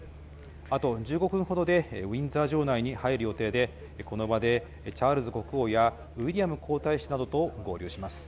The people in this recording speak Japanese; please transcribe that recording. あと１５分ほどでウィンザー城内に入る予定で、この場でチャールズ国王やウィリアム皇太子などと合流します。